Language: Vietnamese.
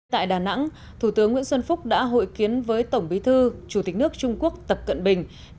tại đà nẵng thủ tướng nguyễn xuân phúc đã hội kiến với tổng bí thư chủ tịch nước trung quốc tập cận bình